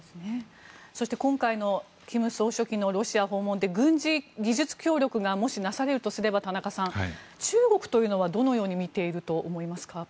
そして今回の金総書記のロシア訪問で軍事技術協力がもしなされるとすれば田中さん、中国というのはどのように見ていると思いますか。